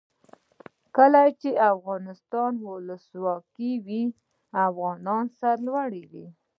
کله چې افغانستان کې ولسواکي وي افغانان سرلوړي وي.